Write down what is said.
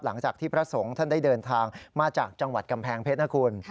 หลังจากที่พระสงฆ์ท่านได้เดินทางมาจากจังหวัดกำแพงเพชรนะคุณ